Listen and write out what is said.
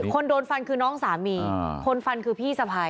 คนโดนฟันคือน้องสามีคนฟันคือพี่สะพาย